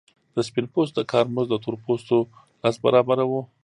د سپین پوستو د کار مزد د تور پوستو لس برابره وو